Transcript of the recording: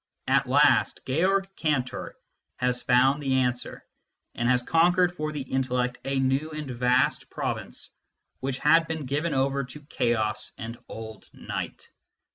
At last Georg Cantor has found the answer, and has conquered for the intellect a new and vast province which had been given over to Chaos and old Night.